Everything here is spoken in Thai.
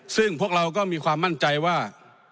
ซึ่งพวกเราก็มีความมั่นใจว่า